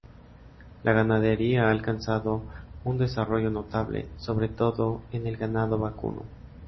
La ganadería ha alcanzado un desarrollo notable, sobre todo en el ganado vacuno.